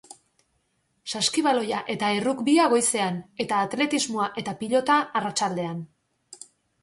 Saskibaloia eta errugbia goizean eta atletismoa eta pilota arratsaldean.